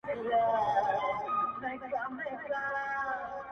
o د برزخي سجدې ټول کيف دي په بڼو کي يو وړئ؛